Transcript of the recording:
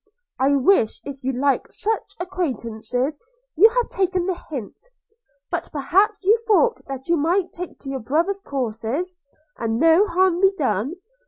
I wish, if you like such acquaintance, you had taken the hint. But perhaps you thought that you might take to your brother's courses, and no harm done.